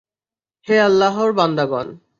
হে আল্লাহর বান্দাগণ!